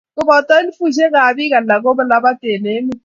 koboto elifushek ab pik alak ko kolabat eng emet